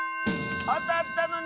あたったのに！